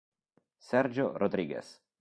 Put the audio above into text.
Sergio Rodríguez